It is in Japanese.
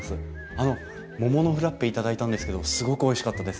あの桃のフラッペ頂いたんですけどすごくおいしかったです。